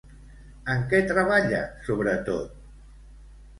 En què treballa sobretot?